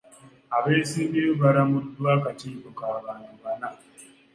Abeesimbyewo balamuddwa akakiiko ka bantu bana.